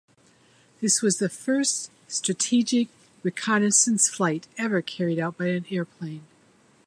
This was the first strategic reconnaissance flight ever carried out by an airplane.